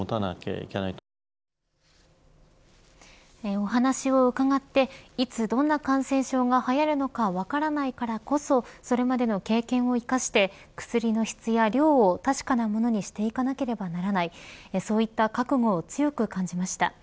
お話を伺っていつどんな感染症がはやるのか分からないからこそそれまでの経験を生かして薬の質や量を確かなものにしていかなければならないそういった覚悟を強く感じました。